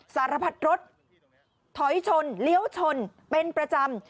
สารพัดรถถอยชนเลี้ยวชนเป็นประจำ